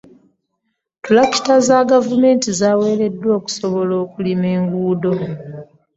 Ttulakita za gavumenti zaweredwayo okusobola okulima enguudo.